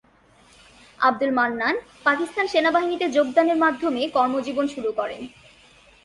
আবদুল মান্নান পাকিস্তান সেনাবাহিনীতে যোগদানের মাধ্যমে কর্মজীবন শুরু করেন।